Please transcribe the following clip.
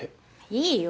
いいよ